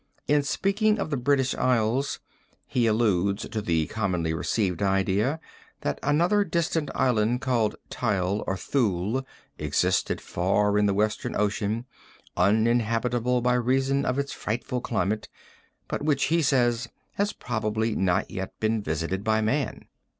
In speaking of the British Isles he alludes to the commonly received idea that another distant island called Tile or Thule, existed far in the Western Ocean, uninhabitable by reason of its frightful climate, but which, he says, has perhaps not yet been visited by man."